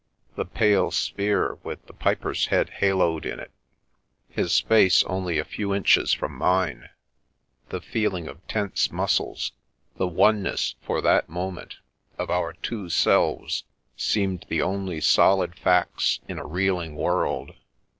The pale sphere, with the piper's head haloed in it, his face only a few inches from mine; the feeling of tense muscles, the oneness, for that moment, of our two selves, seemed the only solid facts in a reeling world.